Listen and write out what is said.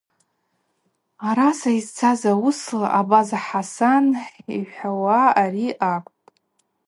Араса йзцаз ауысла Абаза Хӏасан йхӏвауа ари акӏвпӏ.